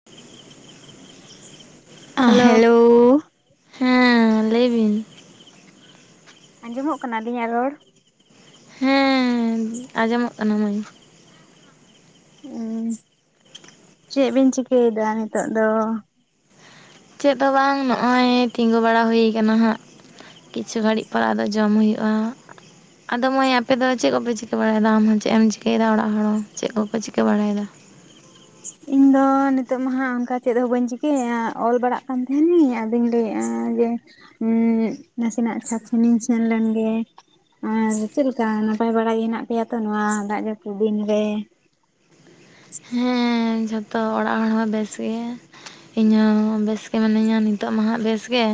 [inaudible] Hello? ᱦᱮᱸ, ᱞᱟᱹᱭ ᱵᱤᱱ᱾ ᱟᱸᱡᱚᱢᱚᱜ ᱠᱟᱱᱟ ᱟᱞᱤᱧᱟᱜ ᱨᱚᱲ? ᱦᱮᱸ, ᱟᱸᱡᱚᱢᱚᱜ ᱠᱟᱱᱟ ᱢᱟᱹᱭ᱾ ᱦᱩᱸ, ᱪᱮᱫ ᱵᱤᱱ ᱪᱤᱠᱟᱹᱭᱮᱫᱟ, ᱱᱤᱛᱚᱜ ᱫᱚ? ᱪᱮᱫ ᱦᱚᱸ ᱵᱟᱝ, ᱱᱚᱜᱼᱚᱭ ᱛᱤᱸᱜᱩ ᱵᱟᱲᱟ ᱦᱩᱭ ᱠᱟᱱᱟ ᱦᱟᱜ᱾ ᱠᱤᱪᱷᱩ ᱜᱷᱟᱹᱲᱤᱡ ᱯᱚᱨ, ᱟᱫᱚ ᱡᱚᱢ ᱦᱩᱭᱩᱜᱼᱟ᱾ ᱟᱫᱚ ᱱᱚᱜᱼᱚᱭ ᱟᱯᱮᱫᱚ ᱪᱮᱫ ᱠᱚᱯᱮ ᱪᱤᱠᱟᱹ ᱟᱫᱚ ᱢᱟᱹᱭ ᱟᱯᱮ ᱫᱚ ᱪᱮᱫ ᱠᱚᱯᱮ ᱪᱤᱠᱟ ᱵᱟᱲᱟᱭᱮᱫᱟ ᱟᱢ ᱦᱚᱸ ᱪᱮᱫ ᱮᱢ ᱪᱤᱠᱟᱹᱭ ᱮᱫᱟ? ᱚᱲᱟᱜ ᱦᱚᱲ ᱦᱚᱸ ᱪᱮᱫ ᱠᱚᱯᱮ ᱪᱤᱠᱟᱹ ᱵᱟᱲᱟᱭᱮᱫᱟ? ᱤᱧ ᱫᱚ ᱱᱤᱛᱚᱜ ᱢᱟ ᱦᱟᱸᱜ ᱚᱱᱠᱟ ᱪᱮᱫ ᱦᱚᱸ ᱵᱟᱹᱧ ᱪᱤᱠᱟᱭᱮᱫᱟ, ᱚᱞ ᱵᱟᱲᱟᱜ ᱠᱟᱱ ᱛᱟᱦᱮᱱᱤᱧ ᱟᱫᱚᱧ ᱞᱟᱹᱭᱮᱜᱼᱟ ᱡᱮ ᱱᱟᱥᱮᱱᱟᱜ ᱪᱷᱟᱫ ᱥᱮᱱᱤᱧ ᱥᱮᱱ ᱞᱮᱱ ᱜᱮ ᱟᱨ ᱪᱮᱫ ᱞᱮᱠᱟ ᱱᱟᱯᱟᱭ ᱵᱟᱲᱟ ᱜᱮ ᱦᱩᱱᱟᱜ ᱯᱮᱭᱟ ᱛᱚ, ᱱᱚᱣᱟ ᱫᱟᱜ ᱡᱟᱹᱯᱩᱫ ᱫᱤᱱ ᱨᱮ ᱦᱮᱸ ᱡᱚᱛᱚ ᱚᱲᱟᱜ ᱦᱚᱲ ᱦᱚᱸ ᱵᱮᱥ ᱜᱮ᱾ ᱤᱧ ᱦᱚᱸ ᱵᱮᱥ ᱜᱮ ᱢᱤᱱᱟᱹᱧᱟ, ᱱᱤᱛᱚᱜ ᱢᱟ ᱦᱟᱸᱜ ᱵᱮᱥ ᱜᱮ᱾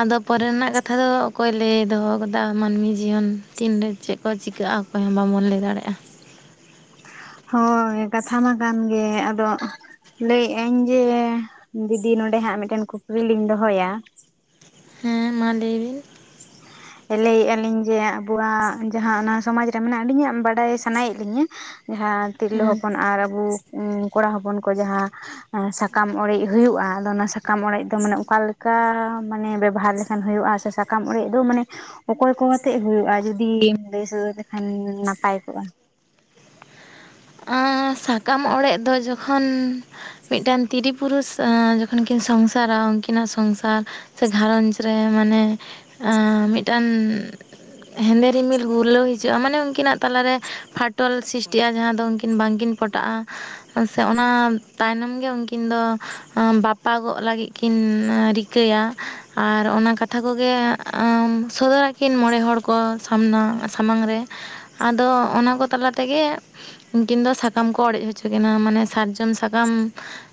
ᱟᱫᱚ ᱯᱚᱨᱮ ᱨᱮᱱᱟᱜ ᱠᱟᱛᱷᱟ ᱫᱚ ᱚᱠᱚᱭ ᱞᱟᱹᱭ ᱫᱚᱦᱚ ᱟᱠᱟᱫᱟ, ᱢᱟᱹᱱᱢᱤ ᱡᱤᱭᱚᱱ ᱛᱤᱱ ᱨᱮ ᱪᱮᱫ ᱠᱚ ᱪᱤᱠᱟᱹᱜᱼᱟ? ᱚᱠᱚᱭ ᱦᱚᱸ ᱵᱟᱵᱚᱱ ᱞᱟᱹᱭ ᱫᱟᱲᱮᱭᱟᱜᱼᱟ? ᱦᱳᱭ, ᱠᱟᱛᱷᱟ ᱢᱟ ᱠᱟᱱ ᱜᱮ᱾ ᱟᱫᱚ ᱞᱟᱹᱭᱮᱫ ᱟᱹᱧ ᱡᱮ ᱫᱤᱫᱤ ᱱᱚᱰᱮ ᱦᱟᱸᱜ ᱢᱤᱫᱴᱮᱱ ᱠᱩᱠᱞᱤ ᱞᱤᱧ ᱫᱚᱦᱚᱭᱟ ᱦᱮᱸ ᱢᱟ ᱞᱟᱹᱭ ᱵᱤᱱ [inaudible] ᱞᱟᱹᱭ ᱮ ᱟᱞᱤᱧ ᱡᱮ ᱟᱵᱚᱣᱟᱜ ᱡᱟᱦᱟᱸ ᱚᱱᱟ ᱥᱚᱢᱟᱡᱽ ᱨᱮ ᱢᱮᱱᱟᱜᱼᱟ, ᱟᱹᱞᱤᱧᱟᱜ ᱵᱟᱲᱟᱭ ᱥᱟᱱᱟᱭᱮᱫ ᱞᱤᱧᱟᱹ ᱡᱟᱦᱟᱸ ᱛᱤᱨᱞᱟᱹ ᱦᱮᱸ ᱦᱚᱯᱚᱱ ᱟᱨ ᱟᱵᱚ ᱠᱚᱲᱟ ᱦᱚᱯᱚᱱ ᱠᱚ, ᱡᱟᱦᱟᱸ ᱥᱟᱠᱟᱢ ᱚᱲᱮᱡ ᱦᱩᱭᱩᱜᱼᱟ᱾ ᱟᱫᱚ ᱚᱱᱟ ᱥᱟᱠᱟᱢ ᱚᱲᱮᱡ ᱫᱚ ᱢᱟᱱᱮ ᱚᱠᱟ ᱞᱮᱠᱟ ᱢᱟᱱᱮ ᱵᱮᱵᱚᱦᱟᱨᱠ ᱦᱩᱭᱩᱜᱼᱟ ᱥᱮ ᱥᱟᱠᱟᱢ ᱚᱲᱮᱡ ᱫᱚ ᱢᱟᱱᱮ ᱚᱠᱚᱭ ᱠᱚ ᱟᱛᱮ ᱦᱩᱭᱩᱜᱼᱟ? ᱡᱩᱫᱤᱢ ᱞᱟᱹᱭ ᱥᱚᱫᱚᱨ ᱞᱮᱠᱷᱟᱱ ᱱᱟᱯᱟᱭ ᱠᱚᱜᱼᱟ? ᱥᱟᱠᱟᱢ ᱚᱲᱮᱡ ᱫᱚ ᱡᱚᱠᱷᱚᱱ ᱢᱤᱫᱴᱟᱱ ᱛᱤᱨᱤ ᱯᱩᱨᱩᱥ ᱡᱚᱠᱷᱚᱱ ᱠᱤᱱ ᱥᱚᱝᱥᱟᱨᱟ, ᱩᱱᱠᱤᱱᱟᱜ ᱥᱚᱝᱥᱟᱨ ᱥᱮ ᱜᱷᱟᱨᱚᱸᱡᱽ ᱨᱮ ᱢᱤᱫᱴᱟᱝ ᱦᱮᱸᱫᱮ ᱨᱤᱢᱤᱞ ᱜᱩᱨᱩᱞᱟᱹᱣ ᱦᱤᱡᱩᱜᱼᱟ᱾ ᱢᱟᱱᱮ ᱩᱱᱠᱤᱱᱟᱜ ᱛᱟᱞᱟᱨᱮ ᱯᱷᱟᱴᱚᱞ ᱥᱤᱨᱤᱥᱴᱤᱜᱼᱟ᱾ ᱡᱟᱦᱟᱸ ᱩᱱᱠᱤᱱ ᱵᱟᱝ ᱠᱤᱱ ᱯᱚᱴᱟᱜᱼᱟ, ᱥᱮ ᱚᱱᱟ ᱛᱟᱭᱱᱚᱢ ᱜᱮ ᱩᱱᱠᱤᱱ ᱫᱚ ᱵᱟᱯᱟᱜᱚᱜ ᱞᱟᱹᱜᱤᱫ ᱠᱤᱱ ᱨᱤᱠᱟᱹᱭᱟ ᱟᱨ ᱚᱱᱟ ᱠᱟᱛᱷᱟ ᱠᱚᱜᱮ ᱥᱚᱫᱚᱨ ᱟᱹᱠᱤᱱ ᱢᱚᱬᱮ ᱦᱚᱲ ᱠᱚ ᱥᱟᱢᱱᱟ ᱥᱟᱢᱟᱝ ᱨᱮ ᱟᱫᱚ ᱚᱱᱟᱠᱚ ᱛᱟᱞᱟ ᱛᱮᱜᱮ ᱩᱱᱠᱤᱱ ᱫᱚ ᱥᱟᱠᱟᱢ ᱠᱚ ᱚᱲᱮᱡ ᱦᱚᱪᱚ ᱠᱤᱱᱟ, ᱢᱟᱱᱮ ᱥᱟᱨᱡᱚᱢ ᱥᱟᱠᱟᱢ